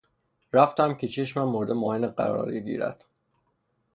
رفتم که چشمم مورد معاینه قرار بگیرد.